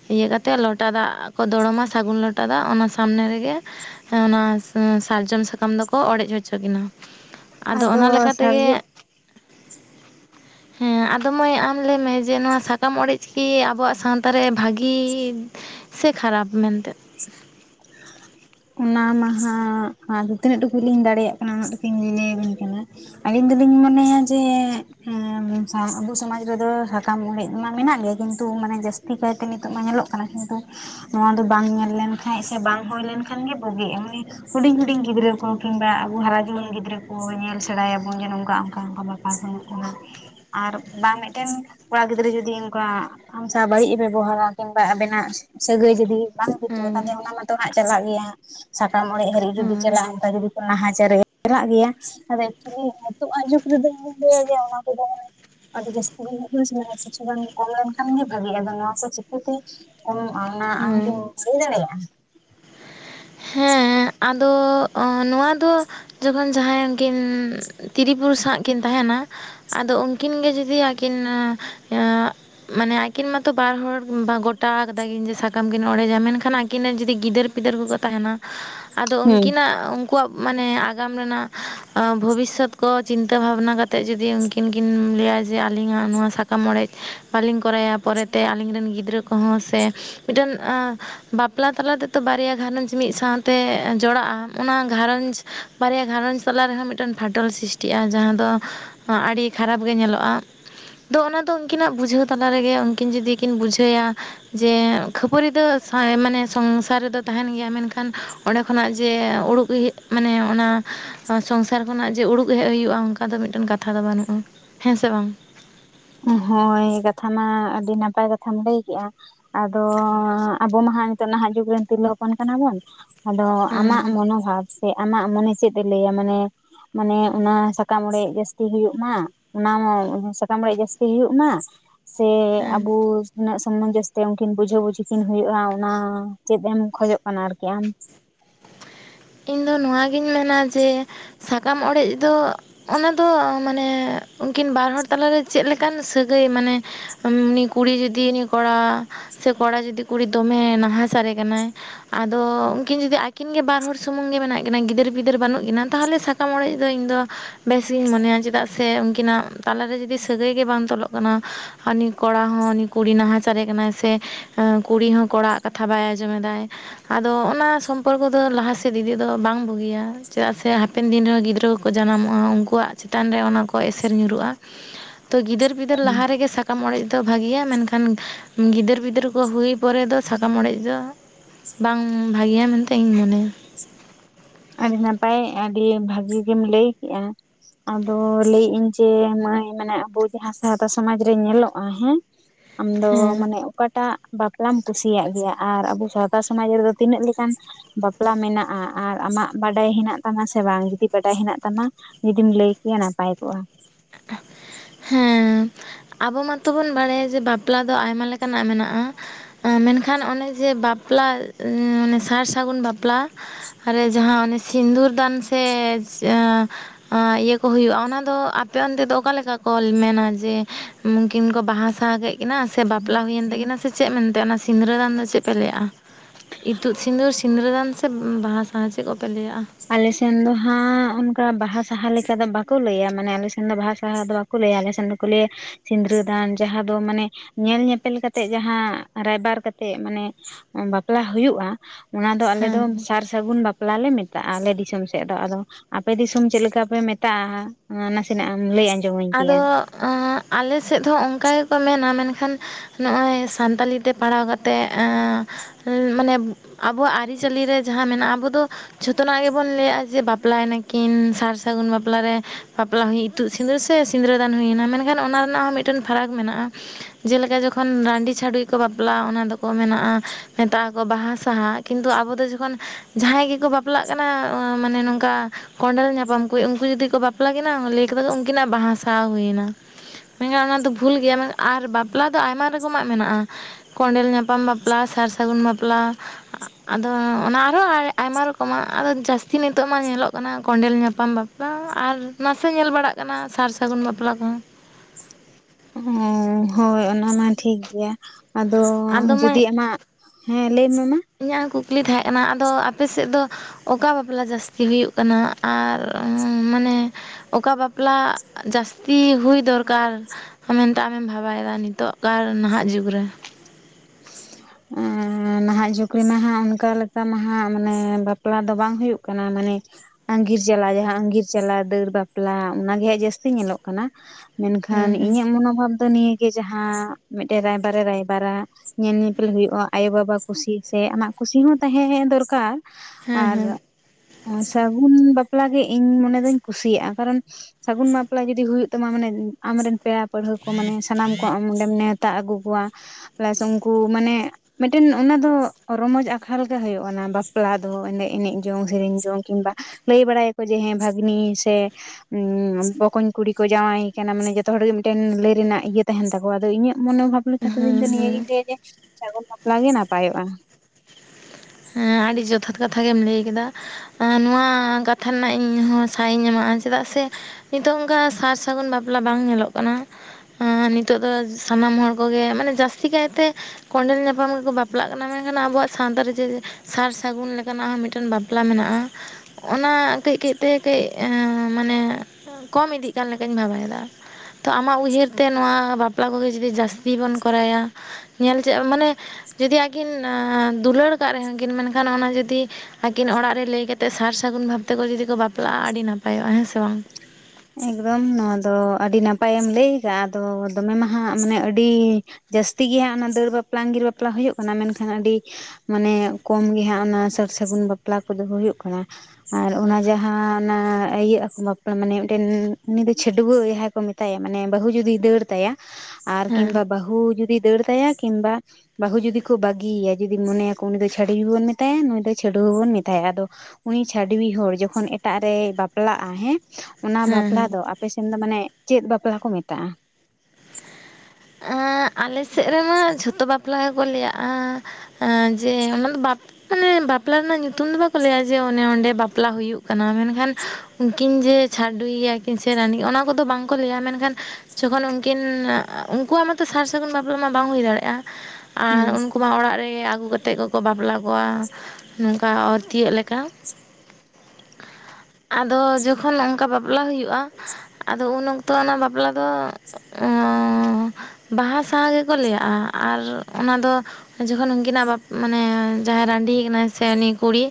ᱤᱭᱟᱹ ᱠᱟᱛᱮᱫ ᱞᱚᱴᱟ ᱫᱟᱜ ᱠᱚ ᱫᱚᱲᱚᱢᱟ᱾ ᱥᱟᱹᱜᱩᱱ ᱞᱚᱴᱟ ᱫᱟᱜ ᱚᱱᱟ ᱥᱟᱢᱱᱮ ᱨᱮᱜᱮ ᱚᱱᱟ ᱥᱟᱨᱡᱚᱢ ᱥᱟᱠᱟᱢ ᱫᱚᱠᱚ ᱚᱲᱮᱡ ᱦᱚᱪᱚ ᱠᱤᱱᱟ᱾ ᱟᱫᱚ ᱚᱱᱟ ᱞᱮᱠᱟ ᱛᱮᱜᱮ ᱦᱮᱸ ᱟᱨ ᱚᱢᱮ ᱢᱟᱹᱭ ᱟᱢ ᱞᱟᱹᱭᱢᱮ ᱡᱮ ᱱᱚᱣᱟ ᱥᱟᱠᱟᱢ ᱚᱲᱮᱡ ᱪᱤᱠᱤ ᱟᱵᱚᱣᱟᱜ ᱥᱟᱶᱛᱟᱨ ᱨᱮ ᱵᱷᱟᱜᱤ ᱥᱮ ᱠᱷᱟᱨᱟᱯ ᱢᱮᱱᱛᱮ [inaudible] ᱚᱱᱟ ᱢᱟᱦᱟᱜ ᱟᱫᱚ ᱛᱤᱱᱟᱹᱜ ᱴᱩᱠᱩ ᱞᱤᱧ ᱫᱟᱲᱮᱭᱟᱜ ᱠᱟᱱᱟ ᱩᱱᱟᱹᱜ ᱴᱩᱠᱩᱞᱤᱧ ᱞᱟᱹᱭ ᱟᱵᱤᱱ ᱠᱟᱱᱟ ᱟᱹᱞᱤᱧ ᱫᱚᱞᱤᱧ ᱢᱚᱱᱮᱭᱟ ᱡᱮ ᱦᱮᱸ ᱟᱵᱚ ᱥᱚᱢᱟᱡ ᱨᱮᱫᱚ ᱥᱟᱠᱟᱢ ᱚᱬᱮᱡ ᱢᱟ ᱢᱮᱱᱟᱜ ᱜᱮ ᱠᱤᱱᱛᱩ ᱢᱟᱱᱮ ᱡᱟᱹᱥ ᱛᱤ ᱠᱟᱭ ᱛᱮ ᱱᱤᱛᱚᱜ ᱢᱟ ᱧᱮᱞᱚᱜ ᱠᱟᱱᱟ ᱠᱤᱱᱛᱩ ᱱᱚᱣᱟ ᱫᱚ ᱵᱟᱝ ᱧᱮᱞ ᱞᱮᱱᱠᱷᱟᱡ ᱥᱮ ᱵᱟᱝ ᱦᱩᱭ ᱞᱮᱱᱠᱷᱟᱱ ᱜᱮ ᱵᱩᱜᱤᱜᱼᱟ ᱦᱩᱭᱥ ᱦᱩᱰᱤᱧ ᱦᱩᱰᱤᱧ ᱜᱤᱫᱽᱨᱟᱹ ᱠᱚ ᱠᱤᱝᱵᱟ ᱟᱵᱚ ᱦᱟᱨᱟ ᱡᱩᱣᱟᱹᱱ ᱜᱤᱫᱽᱨᱟᱹ ᱠᱚ ᱧᱮᱞ ᱥᱮᱬᱟᱭᱟᱵᱚᱱ ᱡᱮ ᱱᱚᱝᱠᱟ ᱚᱱᱠᱟ ᱚᱱᱠᱟ ᱵᱟ ᱟᱨ ᱦᱮ ᱠᱚᱲᱟ ᱟᱨ ᱵᱟᱝ ᱢᱤᱫᱴᱮᱱ ᱠᱚᱲᱟ ᱜᱤᱫᱽᱨᱟᱹ ᱡᱩᱫᱤ ᱚᱱᱠᱟ ᱟᱢᱥᱟᱣ ᱵᱟᱹᱲᱤᱡ ᱮ ᱵᱮᱵᱚᱦᱟᱨᱟ ᱠᱤᱢᱵᱟ ᱟᱵᱮᱱᱟᱜ ᱥᱟᱹᱜᱟᱹᱭ ᱡᱩᱫᱤ ᱵᱟᱝ ᱦᱮᱸ ᱡᱩᱛᱩᱜᱼᱟ ᱛᱟᱦᱚᱞᱮ ᱚᱱᱟ ᱢᱟᱛᱚ ᱦᱟᱜ ᱪᱟᱞᱟᱜ ᱜᱮᱭᱟ ᱥᱟᱠᱟᱢ ᱚᱲᱮᱡ ᱦᱟᱹᱨᱤᱡ ᱡᱩᱫᱤ ᱦᱮᱸ ᱪᱟᱞᱟᱜᱼᱟ ᱚᱱᱠᱟ ᱡᱩᱫᱤ ᱠᱚ ᱱᱟᱦᱟᱪᱟᱨᱮ ᱭᱟ ᱪᱟᱞᱟᱜ ᱜᱮᱭᱟ ᱟᱫᱚ ᱮᱠᱪᱩᱣᱟᱞᱤ ᱱᱤᱛᱳᱜ ᱟᱜ ᱡᱩᱜᱽ ᱨᱮᱫᱚ ᱤᱧ ᱫᱚᱧ ᱞᱟᱹᱭᱟ ᱚᱱᱟ ᱠᱚᱫᱚ ᱟᱫᱚ ᱡᱟᱥᱛᱤ ᱵᱟᱧ ᱢᱮᱱᱟᱜ ᱛᱟᱦᱮᱱᱟ ᱥᱮ ᱱᱚᱣᱟ ᱠᱤᱪᱷᱩ ᱜᱟᱱ ᱠᱚᱢ ᱞᱮᱱᱠᱷᱟᱱ ᱜᱮ ᱵᱷᱟᱹᱜᱤᱜᱼᱟ ᱟᱫᱚ ᱱᱚᱣᱟ ᱥᱮ ᱪᱤᱠᱟᱹᱛᱮ ᱠᱚᱢᱚᱜ-ᱟ ᱚᱱᱟ ᱟᱢ ᱦᱮᱸ ᱠᱤᱢ ᱥᱟᱦᱤ ᱫᱟᱲᱮᱭᱟᱜᱼᱟ? ᱦᱮᱸ ᱟᱫᱚ ᱱᱚᱣᱟ ᱫᱚ ᱡᱚᱠᱷᱚᱱ ᱡᱟᱦᱟᱸᱭ ᱠᱤᱱ ᱛᱤᱨᱤ ᱯᱩᱨᱩᱥ ᱥᱟᱶ ᱠᱤᱱ ᱛᱟᱦᱮᱱᱟ, ᱟᱫᱚ ᱩᱱᱠᱤᱱ ᱜᱮ ᱡᱩᱫᱤ ᱟᱹᱠᱤᱱ ᱢᱟᱱᱮ ᱟᱹᱠᱤᱱ ᱢᱟᱛᱚ ᱵᱟᱨ ᱦᱚᱲ ᱜᱚᱴᱟ ᱠᱟᱫᱟᱠᱤᱱ ᱡᱮ ᱥᱟᱠᱟᱢ ᱠᱤᱱ ᱚᱲᱮᱡᱟ ᱢᱮᱱᱠᱷᱟᱱ ᱟᱹᱠᱤᱱ ᱨᱮᱱ ᱡᱩᱫᱤ ᱜᱤᱫᱟᱹᱨ ᱯᱤᱫᱟᱹᱨ ᱠᱚ ᱠᱚ ᱛᱟᱦᱮᱱᱟ, ᱟᱫᱚ ᱦᱩᱸ ᱩᱱᱠᱤᱱᱟᱜ ᱟᱠᱩᱣᱟᱜ ᱢᱟᱱᱮ ᱟᱜᱟᱢ ᱨᱮᱱᱟᱜ ᱵᱷᱚᱵᱤᱥᱚᱛ ᱠᱚ ᱪᱤᱱᱛᱟᱹ ᱵᱷᱟᱵᱱᱟ ᱠᱟᱛᱮ ᱡᱩᱫᱤ ᱩᱱ ᱩᱱᱠᱤᱱ ᱠᱤᱱ ᱞᱟᱹᱭᱟ ᱡᱮ ᱟᱹᱞᱤᱧᱟᱜ ᱱᱚᱣᱟ ᱥᱟᱠᱟᱢ ᱚᱲᱮᱡ ᱵᱟᱹᱞᱤᱧ ᱠᱚᱨᱟᱭᱟ ᱯᱚᱨᱮ ᱛᱮ ᱟᱹᱞᱤᱧ ᱨᱮᱱ ᱜᱤᱫᱽᱨᱟᱹ ᱠᱚᱦᱚᱸ ᱥᱮ ᱢᱤᱫᱴᱮᱱ ᱵᱟᱯᱞᱟ ᱛᱟᱞᱟ ᱛᱮᱫᱚ ᱵᱟᱨᱭᱟ ᱜᱷᱟᱨᱚᱸᱡᱽ ᱢᱤᱫ ᱥᱟᱶᱛᱮ ᱡᱚᱲᱟᱜᱼᱟ ᱚᱱᱟ ᱜᱷᱟᱨᱚᱸᱡᱽ ᱵᱟᱨᱭᱟ ᱜᱷᱟᱨᱚᱸᱡᱽ ᱛᱟᱞᱟ ᱨᱮᱦᱚᱸ ᱢᱤᱫᱴᱮᱱ ᱯᱷᱟᱴᱚᱞ ᱥᱤᱨᱤᱥᱴᱤᱜᱼᱟ᱾ ᱠᱮᱜ-ᱟ ᱡᱟᱦᱟᱸ ᱫᱚ ᱟᱹᱰᱤ ᱠᱷᱟᱨᱟᱯ ᱜᱮ ᱧᱮᱞᱚᱜᱼᱟ᱾ ᱟᱫᱚ ᱚᱱᱟ ᱫᱚ ᱩᱱᱠᱤᱱᱟᱜ ᱵᱩᱡᱷᱟᱹᱣ ᱛᱟᱞᱟ ᱨᱮᱜᱮ ᱩᱱᱠᱤᱱ ᱡᱩᱫᱤ ᱠᱤᱱ ᱵᱩᱡᱷᱟᱹᱭᱟ᱾ ᱡᱮ ᱠᱷᱟᱹᱯᱟᱹᱨᱤ ᱫᱚ ᱢᱟᱱᱮ ᱥᱚᱝᱥᱟᱨ ᱨᱮᱫᱚ ᱛᱟᱦᱮᱱ ᱜᱮᱭᱟ ᱢᱮᱱ ᱠᱷᱟᱱ ᱚᱸᱰᱮ ᱠᱷᱚᱱᱟᱜ ᱡᱮ ᱩᱰᱩᱠ ᱦᱩᱭᱩᱜ ᱢᱟᱱᱮ ᱚᱱᱟ ᱥᱚᱝᱥᱟᱨ ᱠᱷᱚᱱᱟᱜ ᱡᱮ ᱩᱰᱩᱠ ᱦᱮᱡ ᱦᱩᱭᱩᱜᱼᱟ ᱚᱱᱠᱟ ᱫᱚ ᱢᱤᱫᱴᱮᱱ ᱠᱟᱛᱷᱟ ᱫᱚ ᱵᱟᱹᱱᱩᱜᱼᱟ ᱦᱮᱸ ᱥᱮ ᱵᱟᱝ᱾ ᱦᱳᱭ ᱠᱟᱛᱷᱟ ᱢᱟ ᱟᱹᱰᱤ ᱱᱟᱯᱟᱭ ᱠᱟᱛᱷᱟᱢ ᱞᱟᱹᱭ ᱠᱮᱜᱼᱟ᱾ ᱟᱫᱚ ᱟᱵᱚ ᱢᱟ ᱱᱟᱦᱟᱜ ᱱᱤᱛᱚᱜ ᱱᱟᱦᱟᱜ ᱡᱩᱜᱽ ᱨᱮᱱ ᱛᱤᱨᱞᱟᱹ ᱦᱚᱯᱚᱱ ᱠᱟᱱᱟᱵᱚᱱ᱾ ᱟᱫᱚ ᱟᱢᱟᱜ ᱦᱮᱸ ᱢᱚᱱᱚᱵᱷᱟᱵ ᱥᱮ ᱟᱢᱟᱜ ᱢᱚᱱᱮ ᱪᱮᱫ ᱮ ᱞᱟᱹᱭᱟ ᱢᱟᱱᱮ ᱢᱟᱱᱮ ᱚᱱᱟ ᱥᱟᱠᱟᱢ ᱚᱲᱮᱡ ᱡᱟᱹᱥᱛᱤ ᱦᱩᱭᱩᱜ ᱢᱟ, ᱚᱱᱟ ᱢᱟ ᱥᱟᱠᱟᱢ ᱚᱲᱮᱡ ᱡᱟᱹᱥᱛᱤ ᱦᱩᱭᱩᱜ ᱢᱟ ᱥᱮ ᱦᱮᱸ ᱟᱵᱚ ᱩᱱᱟᱹᱜ [inaudible] ᱛᱮ ᱩᱱᱠᱤᱱ ᱵᱩᱡᱷᱟᱹ ᱵᱩᱡᱷᱤ ᱠᱤᱱ ᱦᱩᱭᱩᱜᱼᱟ ᱚᱱᱟ ᱪᱮᱫ ᱮᱢ ᱠᱷᱚᱡᱚᱜ ᱠᱟᱱᱟ ᱟᱨᱠᱤ ᱟᱢ᱾ ᱤᱧ ᱫᱚ ᱱᱚᱣᱟ ᱜᱤᱧ ᱢᱮᱱᱟ ᱡᱮ ᱥᱟᱠᱟᱢ ᱚᱲᱮᱡ ᱫᱚ ᱚᱱᱟ ᱫᱚ ᱢᱟᱱᱮ ᱩᱱᱠᱤᱱ ᱵᱟᱨ ᱦᱚᱲ ᱛᱟᱞᱟ ᱨᱮ ᱪᱮᱫ ᱞᱮᱠᱟᱱ ᱥᱟᱹᱜᱟᱹᱭ ᱢᱟᱱᱮ ᱩᱱᱤ ᱠᱩᱲᱤ ᱡᱩᱫᱤ ᱩᱱᱤ ᱠᱚᱲᱟ ᱥᱮ ᱠᱚᱲᱟ ᱡᱩᱫᱤ ᱠᱩᱲᱤ ᱫᱚᱢᱮ ᱱᱟᱦᱟᱪᱟᱨᱮ ᱠᱟᱱᱟᱭ, ᱟᱫᱚ ᱩᱱᱠᱤᱱ ᱡᱩᱫᱤ ᱟᱹᱠᱤᱱ ᱜᱮ ᱵᱟᱨ ᱦᱚᱲ ᱥᱩᱢᱩᱝ ᱜᱮ ᱢᱮᱱᱟᱜ ᱠᱤᱱᱟ ᱜᱤᱫᱟᱹᱨ ᱯᱤᱫᱟᱹᱨ ᱵᱟᱹᱱᱩᱜ ᱠᱤᱱᱟ ᱛᱟᱦᱚᱞᱮ ᱥᱟᱠᱟᱢ ᱚᱲᱮᱡ ᱫᱚ ᱤᱧ ᱫᱚ ᱵᱮᱥ ᱜᱤᱧ ᱢᱚᱱᱮᱭᱟ ᱪᱮᱫᱟᱜ ᱥᱮ ᱩᱱᱠᱤᱱᱟᱜ ᱛᱟᱞᱟ ᱨᱮ ᱡᱩᱫᱤ ᱥᱟᱹᱜᱟᱹᱭ ᱜᱮ ᱵᱟᱝ ᱛᱚᱞᱚᱜ ᱠᱟᱱᱟ᱾ ᱩᱱᱤ ᱠᱚᱲᱟ ᱦᱚᱸ ᱩᱱᱤ ᱠᱩᱲᱤ ᱱᱟᱦᱟᱪᱟᱨᱮ ᱠᱟᱱᱟᱭ ᱥᱮ ᱠᱩᱲᱤ ᱦᱚᱸ ᱠᱚᱲᱟᱣᱟᱜ ᱠᱟᱛᱷᱟ ᱵᱟᱭ ᱟᱸᱡᱚᱢᱮᱫᱟᱭ᱾ ᱟᱫᱚ ᱚᱱᱟ ᱥᱚᱢᱯᱚᱨᱠᱚ ᱫᱚ ᱞᱟᱦᱟ ᱥᱮᱫ ᱥᱮ ᱫᱤᱫᱤ ᱫᱚ ᱵᱟᱝ ᱵᱩᱜᱤᱭᱟ ᱪᱮᱫᱟᱜ ᱥᱮ ᱦᱟᱯᱮᱱ ᱫᱤᱱ ᱨᱮᱦᱚᱸ ᱜᱤᱫᱽᱨᱟᱹ ᱠᱚᱠᱚ ᱡᱟᱱᱟᱢᱚᱜᱼᱟ ᱩᱱᱠᱩᱣᱟᱜ ᱪᱮᱛᱟᱱ ᱨᱮ ᱚᱱᱟ ᱠᱚ ᱮᱥᱮᱨ ᱧᱩᱨᱩᱜᱼᱟ᱾ ᱛᱚ ᱜᱤᱫᱟᱹᱨ ᱯᱤᱫᱟᱹᱨ ᱞᱟᱦᱟ ᱨᱮᱜᱮ ᱥᱟᱠᱟᱢ ᱚᱲᱮᱡ ᱫᱚ ᱵᱷᱟᱜᱤᱭᱟ ᱢᱮᱱᱠᱷᱟᱱ ᱜᱤᱫᱟᱹᱨ ᱯᱤᱫᱟᱹᱨ ᱠᱚ ᱦᱩᱭ ᱯᱚᱨᱮ ᱫᱚ ᱥᱟᱠᱟᱢ ᱚᱲᱮᱡ ᱫᱚ ᱵᱟᱝ ᱵᱷᱟᱜᱤᱭᱟ ᱢᱮᱱᱛᱮ ᱤᱧ ᱢᱚᱱᱮᱭᱟ ᱟᱹᱰᱤ ᱱᱟᱯᱟᱭ ᱟᱹᱰᱤ ᱵᱷᱟᱹᱜᱤ ᱜᱮᱢ ᱞᱟᱹᱭ ᱠᱮᱜᱼᱟ ᱟᱫᱚ ᱞᱟᱹᱭᱮᱫ ᱟᱹᱧ ᱡᱮ ᱢᱟᱹᱭ ᱢᱟᱱᱮ ᱟᱵᱚ ᱡᱟᱦᱟᱸ ᱥᱟᱶᱛᱟ ᱥᱚᱢᱟᱡᱽ ᱨᱮ ᱧᱮᱞᱚᱜᱼᱟ ᱦᱮᱸ ᱟᱢᱫᱚ ᱦᱮᱸ ᱢᱟᱱᱮ ᱚᱠᱟᱴᱟᱜ ᱵᱟᱯᱞᱟᱢ ᱠᱩᱥᱤᱭᱟᱜ ᱜᱮᱭᱟ ᱟᱨ ᱟᱵᱚ ᱥᱟᱶᱛᱟ ᱥᱚᱢᱟᱡᱽ ᱨᱮᱫᱚ ᱛᱤᱱᱟᱹᱜ ᱞᱮᱠᱟᱱ ᱵᱟᱯᱞᱟ ᱢᱮᱱᱟᱜᱼᱟ ᱟᱨ ᱟᱢᱟᱜ ᱵᱟᱰᱟᱭ ᱦᱮᱱᱟᱜ ᱛᱟᱢᱟ ᱥᱮ ᱵᱟᱝ ᱡᱩᱫᱤ ᱵᱟᱰᱟᱭ ᱦᱮᱱᱟᱜ ᱛᱟᱢᱟ ᱡᱩᱫᱤᱢ ᱞᱟᱹᱭ ᱠᱮᱭᱟ ᱱᱟᱯᱟᱭ ᱠᱚᱜᱼᱟ ᱦᱮᱸ ᱟᱵᱚ ᱢᱟᱛᱚᱵᱚᱱ ᱵᱟᱲᱟᱭᱟ ᱡᱮ ᱵᱟᱯᱞᱟ ᱫᱚ ᱟᱭᱢᱟ ᱞᱮᱠᱟᱱᱟᱜ ᱢᱮᱱᱟᱜᱼᱟ ᱮ ᱢᱮᱱᱠᱷᱟᱱ ᱚᱱᱮ ᱡᱮ ᱵᱟᱯᱞᱟ ᱚᱱᱮ ᱥᱟᱨ ᱥᱟᱹᱜᱩᱱ ᱵᱟᱯ ᱵᱟᱯᱞᱟ ᱨᱮ ᱡᱟᱦᱟᱸ ᱚᱱᱮ ᱥᱤᱸᱫᱩᱨ ᱫᱟᱱ ᱥᱮ ᱟ ᱤᱭᱟᱹ ᱠᱚ ᱦᱩᱭᱩᱜᱼᱟ ᱚᱱᱟ ᱫᱚ ᱟᱯ ᱟᱯᱮ ᱚᱱᱛᱮ ᱫᱚ ᱚᱠᱟ ᱞᱮᱠᱟ ᱠᱚ ᱢᱮᱱᱟ ᱡᱮ ᱩᱱᱠᱤᱱ ᱠᱚ ᱵᱟᱦᱟᱥᱟᱦᱟ ᱠᱮᱫ ᱠᱤᱱᱟ ᱥᱮ ᱵᱟᱯᱞᱟ ᱦᱩᱭᱮᱱ ᱛᱟᱹᱠᱤᱱᱟ ᱥᱮ ᱪᱮᱫ ᱢᱮᱱ ᱛᱟᱭ ᱚᱱᱟ ᱥᱤᱸᱫᱨᱟᱹ ᱫᱟᱱ ᱫᱚ ᱪᱮᱫ ᱯᱮ ᱞᱟᱹᱭᱟᱜᱼᱟ ᱤᱛᱩᱫ ᱥᱤᱸᱫᱩᱨ ᱥᱤᱸᱫᱽᱨᱟᱹᱫᱟᱱ ᱥᱮ ᱵᱟᱦᱟᱥᱟᱣ ᱪᱮᱫ ᱠᱚᱯᱮ ᱞᱟᱹᱭᱟᱜᱼᱟ ᱟᱞᱮᱥᱮᱱ ᱫᱚ ᱦᱟᱸᱜ ᱚᱱᱠᱟ ᱵᱟᱦᱟ ᱥᱟᱦᱟ ᱞᱮᱠᱟ ᱫᱚ ᱵᱟᱠᱚ ᱞᱟᱹᱭᱟ ᱢᱟᱱᱮ ᱟᱞᱮᱥᱱ ᱫᱚ ᱵᱟᱦᱟ ᱥᱟᱦᱟ ᱫᱚ ᱵᱟ ᱠᱚ ᱞᱟ. ᱭᱟ ᱟᱞᱮᱥᱮᱱ ᱫᱚᱠᱚ ᱞᱟᱹᱭᱟ ᱥᱤᱸᱫᱽᱨᱟᱹᱫᱟᱱ ᱡᱟᱦᱟᱸ ᱫᱚ ᱢᱟᱱᱮ ᱧᱮᱞ ᱧᱮᱯᱮᱞ ᱠᱟᱛᱮᱜ ᱡᱟᱦᱟᱸ ᱨᱟᱭᱵᱟᱨ ᱠᱟᱛᱮᱜ ᱢᱟᱱᱮ ᱵᱟᱯᱞᱟ ᱦᱩᱭᱩᱜᱼᱟ ᱚᱱᱟ ᱫᱚ ᱟᱞᱮ ᱫᱚ ᱦᱮᱸ ᱥᱟᱨ ᱥᱟᱹᱜᱩᱱ ᱵᱟᱯᱞᱟ ᱞᱮ ᱢᱮᱛ ᱢᱮᱛᱟᱜᱼᱟ ᱟᱞᱮ ᱫᱤᱥᱚᱢ ᱥᱮᱫ ᱫᱚ ᱟᱫᱚ ᱟᱯᱮ ᱫᱤᱥᱚᱢ ᱪᱮᱫ ᱞᱮᱠᱟ ᱯᱮ ᱢᱮᱛᱟᱜᱼᱟ ᱱᱟᱥᱮᱱᱟᱜ ᱮᱢ ᱞᱟᱹᱭ ᱟᱸᱡᱚᱢᱟᱹᱧ ᱠᱮᱭᱟ ᱟᱫᱚ ᱟᱞᱮ ᱥᱮᱫ ᱦᱚᱸ ᱚᱱᱠᱟ ᱜᱮᱠᱚ ᱢᱮᱱᱟ ᱢᱮᱱᱠᱷᱟᱱ ᱱᱚᱜᱼᱚᱸᱚᱭ ᱥᱟᱱᱛᱟᱞᱤ ᱛᱮ ᱯᱟᱲᱦᱟᱣ ᱠᱟᱛᱮᱫ ᱮ ᱦᱮ ᱢᱟᱱᱮ ᱟᱵᱚᱣᱟᱜ ᱟᱹᱨᱤᱪᱟᱹᱞᱤ ᱨᱮ ᱡᱟᱦᱟᱸ ᱢᱮᱱᱟᱜᱼᱟ ᱟᱵᱚ ᱫᱚ ᱡᱷᱚᱛᱚᱱᱟᱜ ᱜᱮᱵᱚᱱ ᱞᱟ. ᱭᱟᱫ ᱟ ᱡᱮ ᱵᱟᱯᱞᱟᱭ ᱱᱟᱹᱠᱤᱱ ᱥᱟᱨ ᱥᱟᱹᱜᱩᱱ ᱵᱟᱯᱞᱟᱨᱮ ᱵᱟᱯᱞᱟ ᱦᱩᱭ ᱤᱛᱩᱫ ᱥᱤᱸᱫᱩᱨ ᱥᱮ ᱥᱤᱸᱫᱨᱟᱹᱫᱟᱱ ᱦᱩᱭᱱᱟ ᱢᱮᱱᱠᱷᱟᱱ ᱚᱱᱟ ᱨᱮᱱᱟᱜ ᱦᱚᱸ ᱢᱤᱫᱴᱮᱱ ᱯᱷᱟᱨᱟᱠ ᱢᱮᱱᱟᱜᱼᱟ ᱡᱮᱞᱮᱠᱟ ᱡᱚᱠᱷᱚᱱ ᱨᱟᱺᱰᱤ ᱪᱷᱟᱹᱰᱩᱭ ᱠᱚ ᱵᱟᱯᱞᱟᱜᱼᱟ ᱚᱱᱟ ᱫᱚᱠᱚ ᱢᱮᱱᱟᱜᱼᱟ ᱢᱮᱛᱟᱜᱼᱟ ᱵᱟᱦᱟ ᱥᱟᱦ ᱠᱤᱱᱛᱩ ᱟᱵᱚ ᱫᱚ ᱡᱚᱠᱷᱚᱱ ᱡᱟᱦᱟᱸᱭ ᱜᱮᱠᱚ ᱵᱟᱯᱞᱟᱜ ᱠᱟᱱᱟ ᱢᱟᱱᱮ ᱱᱚᱝᱠᱟ ᱠᱚᱸᱰᱮᱞ ᱧᱟᱯᱟᱢ ᱠᱚ ᱩᱱᱠᱩ ᱡᱩᱫᱤ ᱠᱚ ᱵᱟᱯᱞᱟ ᱠᱤᱱᱟ ᱩᱱᱠᱤᱱᱟᱜ ᱵᱟᱦᱟᱥᱟᱣ ᱦᱩᱭᱱᱟ᱾ ᱢᱮᱱᱠᱷᱟᱱ ᱚᱱᱟ ᱫᱚ ᱵᱷᱩᱞ ᱜᱮᱭᱟ ᱢᱮᱱ ᱟᱨ ᱵᱟᱯᱞᱟ ᱫᱚ ᱟᱭᱢᱟ ᱨᱚᱠᱚᱢᱟᱜ ᱢᱮᱱᱟᱜᱼᱟ ᱠᱚᱸᱰᱮᱞ ᱧᱟᱯᱟᱢ ᱵᱟᱯᱞᱟ ᱥᱟᱨ ᱥᱟᱹᱜᱩᱱ ᱵᱟᱯᱞᱟ [inaudible] ᱟᱫᱚ ᱚᱱᱟ ᱟᱨᱚᱸ ᱟᱭᱢᱟ ᱨᱚᱠᱚᱢᱟᱜ ᱟᱫᱚ ᱡᱟᱹᱥᱛᱤ ᱱᱤᱛᱚᱜ ᱢᱟ ᱧᱮᱞᱚᱜ ᱠᱟᱱᱟ ᱠᱚᱸᱰᱮᱞ ᱧᱟᱯᱟᱢ ᱵᱟᱯ ᱠᱟ ᱟᱨ ᱱᱟᱥᱮ ᱧᱮᱞ ᱵᱟᱲᱟᱜ ᱠᱟᱱᱟ ᱥᱟᱨ ᱥᱟᱹᱜᱩᱱ ᱵᱟᱯᱞᱟ ᱠᱚᱦᱚᱸ ᱚ ᱦᱳᱭ ᱚᱱᱟ ᱢᱟ ᱴᱷᱤᱠ ᱜᱮᱭᱟ ᱟᱫᱚ ᱟᱫᱚ ᱢᱟᱹᱭ ᱡᱩᱫᱤ ᱟᱢᱟᱜ ᱦᱮᱸ ᱞᱟᱹᱭ ᱢᱮ ᱢᱟ ᱤᱧᱟᱹᱜ ᱦᱚᱸ ᱠᱩᱠᱞᱤ ᱛᱟᱦᱮᱸ ᱠᱟᱱᱟ ᱟᱫᱚ ᱟᱯᱮ ᱥᱮᱫ ᱫᱚ ᱚᱠᱟ ᱵᱟᱯᱞᱟ ᱡᱟᱹᱥᱛᱤ ᱦᱩᱭᱩᱜ ᱠᱟᱱᱟ ᱟᱨ ᱢᱟᱱᱮ ᱚᱠᱟ ᱵᱟᱯᱞᱟ ᱡᱟᱹᱥᱛᱤ ᱦᱩᱭ ᱫᱚᱨᱠᱟᱨ ᱢᱮᱱᱛᱮ ᱟᱢᱮᱢ ᱵᱷᱟᱵᱟᱭᱮᱫᱟ ᱱᱤᱛᱚᱜᱟᱨ ᱱᱟᱦᱟᱜ ᱡᱩᱜᱽ ᱨᱮ [inaudible] ᱱᱟᱦᱟᱜ ᱡᱩᱜᱽ ᱨᱮᱢᱟ ᱦᱟᱸᱜ ᱚᱱᱠᱟ ᱞᱮᱠᱟ ᱢᱟ ᱦᱟᱸᱜ ᱢᱟᱱᱮ ᱵᱟᱯᱞᱟ ᱫᱚ ᱵᱟᱝ ᱦᱩᱭᱩᱜ ᱠᱟᱱᱟ ᱢᱟᱱᱮ ᱟᱸᱜᱤᱨ ᱡᱟᱞᱟ ᱡᱟᱦᱟᱸ ᱟᱝᱜᱤᱨ ᱪᱟᱞᱟ ᱫᱟᱹᱲ ᱵᱟᱯᱞᱟ ᱚᱱᱟᱜᱮ ᱦᱟᱸᱜ ᱡᱟᱹᱥᱛᱤ ᱧᱮᱞᱚᱜ ᱠᱟᱱᱟ ᱢᱮᱱ ᱠᱷᱟᱱ ᱦᱮᱸ ᱦᱮᱸ ᱤᱧᱟᱜ ᱢᱚᱱᱳᱵᱷᱟᱵᱽ ᱫᱚ ᱱᱤᱭᱟᱹ ᱜᱮ ᱡᱟᱦᱟᱸ, ᱢᱤᱫᱴᱮᱡ ᱨᱟᱭᱵᱟᱨᱮ ᱨᱟᱭᱵᱟᱨᱟᱼᱼ ᱧᱮᱞ ᱧᱮᱯᱮᱞ ᱦᱩᱭᱩᱜᱼᱟ, ᱟᱭᱳ ᱵᱟᱵᱟ ᱠᱩᱥᱤ ᱥᱮ ᱟᱢᱟᱜ ᱠᱩᱥᱤ ᱦᱚᱸ ᱛᱟᱦᱮᱸ ᱫᱚᱨᱠᱟᱨ ᱾ ᱦᱮᱸ ᱟᱨ ᱦᱮᱸ ᱥᱟᱹᱜᱩᱱ ᱵᱟᱯᱞᱟ ᱜᱮ ᱤᱧ ᱢᱚᱱᱮ ᱫᱩᱧ ᱠᱩᱥᱤᱭᱟᱜᱼᱟ, ᱠᱟᱨᱚᱱ ᱼᱼ ᱥᱟᱹᱜᱩᱱ ᱵᱟᱯᱞᱟ ᱡᱩᱫᱤ ᱦᱩᱭᱩᱜ ᱛᱟᱢᱟ ᱢᱟᱱᱮ ᱼᱼ ᱟᱢᱨᱮᱱ ᱯᱮᱲᱟ ᱯᱟᱹᱲᱦᱟᱹ ᱠᱚ ᱢᱟᱱᱮ ᱥᱟᱱᱟᱢ ᱠᱚ ᱟᱢ ᱱᱚᱸᱰᱮᱢ ᱱᱮᱶᱛᱟ ᱟᱹᱜᱩ ᱠᱚᱣᱟ ᱯᱞᱟᱥ ᱩᱢᱼᱼ ᱠᱩ ᱢᱟᱱᱮᱼᱼ ᱢᱤᱫᱴᱮᱱ ᱚᱱᱟ ᱫᱚ ᱨᱚᱢᱚᱡᱽ ᱟᱠᱷᱲᱟ ᱨᱮᱜᱮ ᱦᱩᱭᱩᱜᱼᱟ, ᱚᱱᱟ ᱵᱟᱯᱞᱟ ᱫᱚ ᱾ ᱮᱱᱮ ᱮᱱᱮᱡ ᱡᱚᱝ ᱥᱮᱨᱮᱧ ᱡᱚᱝ ᱠᱤᱝᱵᱟ ᱼᱼ ᱞᱟᱹᱭ ᱵᱟᱲᱟᱭᱟ ᱠᱚ ᱡᱮ ᱦᱮᱸ ᱵᱷᱟᱜᱽᱱᱤ ᱥᱮᱼᱼ ᱩᱸ ᱵᱚᱠᱚᱧ ᱠᱩᱲᱤ ᱠᱚ ᱡᱟᱶᱟᱭᱮ ᱠᱟᱱᱟ, ᱢᱟᱱᱮ ᱡᱚᱛᱚ ᱦᱚᱲ ᱜᱮ ᱢᱤᱫᱴᱮᱱ ᱞᱟᱹᱭ ᱨᱮᱱᱟᱜ ᱤᱭᱟᱹ ᱛᱟᱦᱮᱱ ᱛᱟᱠᱚᱣᱟ ᱟᱫᱚ ᱤᱧᱟᱹᱜᱼᱼ ᱢᱚᱱᱳᱵᱷᱟᱵᱽ ᱞᱮᱠᱟ ᱛᱮ ᱤᱧ ᱦᱮᱸ ᱫᱚ ᱱᱤᱭᱟᱹ ᱦᱮᱸ ᱜᱤᱧ ᱞᱟᱹᱭᱟ ᱡᱮ ᱥᱟᱹᱜᱩᱱ ᱵᱟᱯᱞᱟ ᱜᱮ ᱱᱟᱯᱟᱭᱚᱜᱼᱟ ᱾ ᱮᱸ ᱟᱰᱤ ᱡᱚᱛᱷᱟᱛ ᱠᱟᱛᱷᱟ ᱜᱮᱢ ᱞᱟᱹᱭ ᱠᱮᱫᱟ ᱾ ᱮᱸ ᱱᱚᱣᱟ ᱠᱟᱛᱷᱟ ᱨᱮᱱᱟᱜ ᱤᱧᱦᱚᱸ ᱥᱟᱭ ᱤᱧ ᱮᱢᱟᱜᱼᱟ, ᱪᱮᱫᱟᱜ ᱥᱮᱼᱼ ᱱᱤᱛᱚᱜ ᱚᱝᱠᱟ ᱥᱟᱨ ᱥᱟᱹᱜᱩᱱ ᱵᱟᱯᱞᱟ ᱵᱟᱝ ᱧᱮᱞᱚᱜ ᱠᱟᱱᱟ ᱾ ᱚᱸ ᱱᱤᱛᱚᱜ ᱫᱚ ᱥᱟᱱᱟᱢ ᱦᱚᱲ ᱠᱚᱜᱮ ᱢᱟᱱᱮ ᱡᱟᱥᱛᱤ ᱠᱟᱭᱛᱮᱼᱼ ᱠᱚᱸᱰᱮᱞ ᱧᱟᱯᱟᱢ ᱜᱮᱠᱚ ᱵᱟᱯᱞᱟᱜ ᱠᱟᱱᱟ, ᱢᱮᱱᱠᱷᱟᱱ ᱟᱵᱚᱣᱟᱜ ᱥᱟᱶᱛᱟ ᱨᱮ ᱡᱮᱼᱼ ᱥᱟᱨ ᱥᱟᱹᱜᱩᱱ ᱞᱮᱠᱟᱱᱟᱜ ᱦᱚᱸ ᱢᱤᱫᱴᱮᱱ ᱵᱟᱯᱞᱟ ᱢᱮᱱᱟᱜᱼᱟ ᱾ ᱚᱱᱟ ᱠᱟᱹᱡ ᱠᱟᱹᱡ ᱛᱮ ᱠᱟᱹᱡ ᱮᱸ ᱢᱟᱱᱮ ᱠᱚᱢ ᱤᱫᱤᱜ ᱠᱟᱱ ᱞᱮᱠᱟᱧ ᱵᱷᱟᱵᱟᱭ ᱫᱟ ᱾ ᱛᱚ ᱟᱢᱟᱜ ᱩᱭᱦᱟᱹᱨ ᱛᱮ ᱱᱚᱣᱟ ᱵᱟᱯᱞᱟ ᱠᱚᱜᱮ ᱡᱩᱫᱤ ᱡᱟᱹᱥᱛᱤ ᱵᱚᱱ ᱠᱚᱨᱟᱭᱟᱼᱼ ᱧᱮᱞ ᱠᱮᱫ ᱟᱢ ᱢᱟᱱᱮ ᱡᱩᱫᱤ ᱟᱹᱠᱤᱱ, ᱮᱸ ᱫᱩᱞᱟᱹᱲ ᱠᱟᱜ ᱨᱮᱦᱚᱸ ᱠᱤᱱ ᱢᱮᱱᱠᱷᱟᱱ ᱚᱱᱟ ᱡᱩᱫᱤᱼᱼ ᱟᱹᱠᱤᱱ ᱚᱲᱟᱜ ᱨᱮ ᱞᱟᱹᱭ ᱠᱟᱛᱮᱫ ᱥᱟᱨ ᱥᱟᱹᱜᱩᱱ ᱵᱷᱟᱵᱽ ᱛᱮᱠᱚ ᱡᱩᱫᱤ ᱠᱚ ᱵᱟᱯᱞᱟᱜᱼᱟ, ᱟᱹᱰᱤ ᱱᱟᱯᱟᱭᱚᱜᱼᱟ ᱦᱮᱸ ᱥᱮ ᱵᱟᱝ ᱾ ᱮᱠᱫᱚᱢ ᱱᱚᱣᱟ ᱫᱚ ᱟᱹᱰᱤ ᱱᱟᱯᱟᱭᱮᱢ ᱞᱟᱹᱭ ᱟᱠᱟᱫᱟ ᱟᱫᱚ ᱫᱚᱢᱮ ᱢᱟ ᱦᱟᱸᱜ ᱢᱟᱱᱮ ᱟᱹᱰᱤᱼᱼ ᱡᱟᱹᱥᱛᱤ ᱜᱮ ᱦᱟᱸᱜ ᱚᱱᱟ ᱫᱟᱹᱲ ᱵᱟᱯᱞᱟ ᱟᱸᱜᱤᱨ ᱵᱟᱯᱞᱟ ᱠᱚ ᱦᱩᱭᱩᱜ ᱠᱟᱱᱟ, ᱢᱮᱱᱠᱷᱟᱱ ᱟᱹᱰᱤᱼᱼ ᱢᱟᱱᱮ ᱠᱚᱢ ᱜᱮ ᱦᱟᱸᱜ ᱚᱱᱟ ᱥᱟᱨ ᱥᱟᱹᱜᱩᱱ ᱵᱟᱯᱞᱟ ᱠᱚᱫᱚ ᱦᱩᱭᱩᱜ ᱠᱟᱱᱟ ᱾ ᱟᱨ ᱚᱱᱟ ᱡᱟᱦᱟᱸ ᱚᱱᱟ ᱤᱭᱟᱹᱜ ᱟᱠᱚ ᱵᱟᱯᱞᱟ ᱢᱟᱱᱮ ᱼᱼ ᱩᱱᱤ ᱫᱚ ᱪᱷᱟᱹᱰᱩᱣᱟᱹᱜ ᱡᱟᱦᱟᱸᱭ ᱠᱚ ᱢᱮᱛᱟᱭᱟ ᱢᱟᱱᱮ ᱵᱟᱹᱦᱩ ᱡᱩᱫᱤᱭ ᱫᱟᱹᱲ ᱛᱟᱭᱟ ᱟᱨ ᱦᱮᱸ ᱠᱤᱝᱵᱟ ᱵᱟᱹᱼᱼ ᱦᱩ ᱡᱩᱫᱤ ᱫᱟᱹᱲ ᱛᱟᱭᱟ ᱠᱤᱝᱵᱟᱼᱼ ᱵᱟᱹᱦᱩ ᱡᱩᱫᱤ ᱠᱚ ᱵᱟᱹᱜᱤᱭᱟ ᱡᱩᱫᱤᱢ ᱢᱚᱱᱮᱭᱟᱠᱚ ᱩᱱᱤ ᱫᱚ ᱪᱷᱟᱹᱰᱣᱤ ᱵᱚᱱ ᱢᱮᱛᱟᱭᱟ ᱱᱩᱭ ᱫᱚ ᱪᱷᱟᱹᱰᱣᱟᱹ ᱵᱚᱱ ᱢᱮᱛᱟᱭᱟ ᱟᱫᱚᱼᱼ ᱩᱱᱤ ᱪᱷᱟᱹᱰᱣᱤ ᱦᱚᱲ ᱡᱚᱠᱷᱚᱱ ᱮᱴᱟᱜ ᱨᱮᱭ ᱵᱟᱯᱞᱟᱜᱼᱟ ᱦᱮᱸ᱾ ᱚᱱᱟ ᱦᱮᱸ ᱵᱟᱯᱞᱟ ᱦᱮᱸ ᱫᱚ ᱟᱯᱮᱥᱱ ᱫᱚ ᱢᱟᱱᱮ ᱪᱮᱫ ᱵᱟᱯᱞᱟ ᱠᱚ ᱢᱮᱛᱟᱜᱼᱟ? ᱚ ᱟᱞᱮ ᱥᱮᱫ ᱨᱮᱢᱟ ᱡᱷᱚᱛᱚ ᱵᱟᱯᱞᱟ ᱜᱮᱠᱚ ᱞᱟᱹᱭᱟᱜᱼᱟ ᱾ ᱟᱹ ᱡᱮ ᱚᱱᱟ ᱫᱚ ᱵᱟᱯᱼᱼ ᱢᱟᱱᱮ ᱵᱟᱯᱞᱟ ᱨᱮᱱᱟᱜ ᱧᱩᱛᱩᱢ ᱫᱚ ᱵᱟᱠᱚ ᱞᱟᱹᱭᱟ ᱡᱮ ᱚᱱᱮ ᱚᱸᱰᱮ ᱵᱟᱯᱞᱟ ᱦᱩᱭᱩᱜ ᱠᱟᱱᱟ ᱢᱮᱱᱠᱷᱟᱱᱼᱼ ᱩᱱᱠᱤᱱ ᱡᱮ ᱪᱷᱟᱰᱣᱤ ᱜᱮᱭᱟᱠᱤᱱ ᱥᱮ ᱨᱟᱸᱰᱤ ᱚᱱᱟ ᱠᱚᱫᱚ ᱵᱟᱝᱠᱚ ᱞᱟᱹᱭᱟ ᱢᱮᱱᱠᱷᱟᱱᱼᱼ ᱡᱚᱠᱷᱚᱱ ᱩᱱᱠᱤᱱ ᱟᱜ ᱟᱜᱼᱼ ᱩᱱᱠᱩᱣᱟᱜ ᱢᱟᱛᱚ ᱥᱟᱨ ᱥᱟᱹᱜᱩᱱ ᱵᱟᱯᱞᱟ ᱢᱟ ᱵᱟᱝ ᱦᱩᱭ ᱫᱟᱲᱮᱜᱼᱟ, ᱟᱨ ᱦᱩᱸ ᱩᱱᱠᱩ ᱢᱟ ᱚᱲᱟᱜ ᱨᱮ ᱟᱹᱜᱩ ᱠᱟᱛᱮᱫ ᱠᱚᱼᱼ ᱵᱟᱯᱞᱟ ᱠᱚᱣᱟ ᱱᱚᱝᱠᱟ ᱚᱨᱛᱤᱭᱳᱜ ᱞᱮᱠᱟ, ᱚᱠᱼᱼ ᱟᱫᱚ ᱡᱚᱠᱷᱚᱱ ᱱᱚᱝᱠᱟ ᱵᱟᱯᱞᱟ ᱦᱩᱭᱩᱜᱼᱟ ᱼᱼ ᱟᱫᱚ ᱩᱱ ᱚᱠᱛᱚ ᱚᱱᱟ ᱵᱟᱯᱞᱟ ᱫᱚ ᱚᱻ ᱵᱟᱦᱟ ᱥᱟᱶᱦᱟ ᱜᱮᱠᱚ ᱞᱟᱹᱭᱟᱜᱼᱟ ᱟᱨ ᱚᱱᱟ ᱫᱚ ᱼᱼ ᱡᱚᱠᱷᱚᱱ ᱩᱱᱠᱤᱱᱟᱜ ᱵᱟᱯ ᱢᱟᱱᱮ ᱡᱟᱦᱟᱸᱭ ᱨᱟᱺᱰᱤ ᱠᱟᱱᱟᱭ ᱥᱮ ᱩᱱᱤ ᱠᱩᱲᱤᱼᱺ